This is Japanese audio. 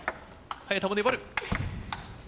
早田も粘る。